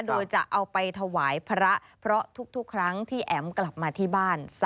โดยจะเอาไปถวายพระเพราะทุกครั้งที่แอ๋มกลับมาที่บ้าน